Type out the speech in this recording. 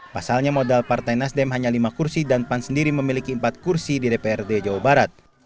pasalnya modal partai nasdem hanya lima kursi dan pan sendiri memiliki empat kursi di dprd jawa barat